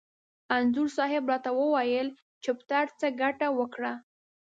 انځور صاحب را ته وویل: چپټر څه ګټه وکړه؟